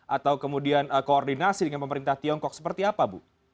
atau kemudian koordinasi dengan pemerintah tiongkok seperti apa bu